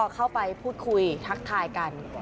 เข้าไปพูดคุยทักทายกัน